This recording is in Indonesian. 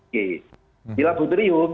g di abuterium